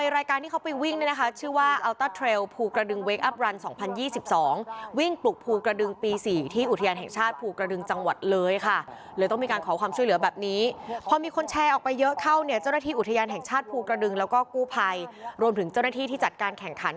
แล้วก็กู้ภัยรวมถึงเจ้าหน้าที่ที่จัดการแข่งขัน